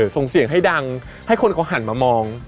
ส่งเสียงให้ดังให้คนเขาหันมามอง